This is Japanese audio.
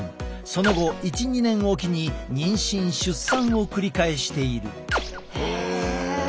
その後１２年置きに妊娠出産を繰り返している。